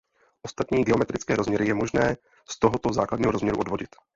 Ostatní geometrické rozměry je možné z tohoto základního rozměru odvodit.